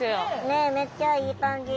ねえめっちゃいい感じ。